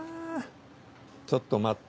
ちょっと待った。